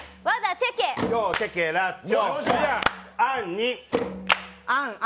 チェケラッチョ。